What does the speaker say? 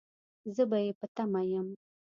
زه به يې په تمه يم